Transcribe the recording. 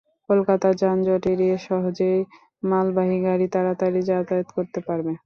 কলকাতার যানজট এড়িয়ে সহজেই মালবাহী গাড়ি তাড়াতাড়ি যাতায়াত করতে পারবে।